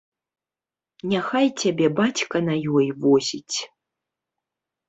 Няхай цябе бацька на ёй возіць.